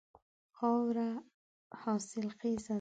خاوره حاصل خیزه ده.